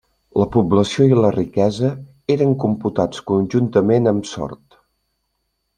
La població i la riquesa, eren computats conjuntament amb Sort.